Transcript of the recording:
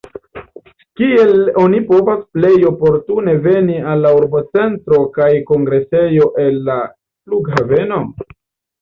Kiel oni povas plej oportune veni al la urbocentro kaj kongresejo el la flughaveno?